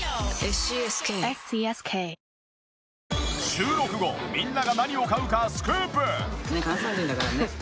収録後みんなが何を買うかスクープ！